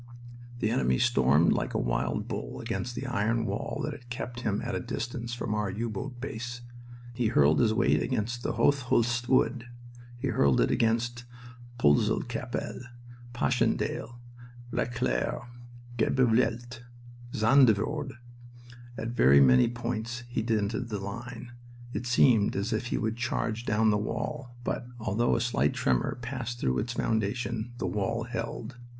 The enemy stormed like a wild bull against the iron wall that kept him at a distance from our U boat base. He hurled his weight against the Houthulst Wood; he hurled it against Poelcapelle, Passchendaele, Becelaere, Gheluvelt, and Zandvoorde; at very many points he dented the line. It seemed as if he would charge down the wall; but, although a slight tremor passed through its foundation, the wall held.